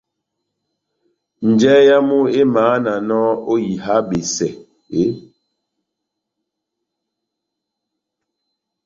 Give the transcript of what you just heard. Njahɛ yamu emahananɔ ó iha besɛ eeeh ?